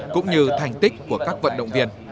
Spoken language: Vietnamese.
cũng như thành tích của các vận động viên